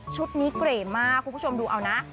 ชุดนี้เกร่มากคุณผู้ชมดูเอานะ